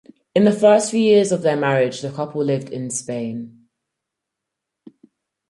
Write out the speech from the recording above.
In the first few years of their marriage, the couple lived in Spain.